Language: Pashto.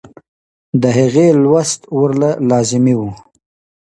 د هغې لوست ورله لازمي وۀ -